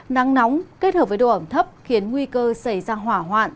nắng nóng kết hợp với độ ẩm thấp khiến nguy cơ xảy ra hỏa hoạn